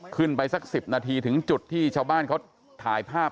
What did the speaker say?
ขึ้นไปสัก๑๐นาทีถึงจุดที่ชาวบ้านเขาถ่ายภาพ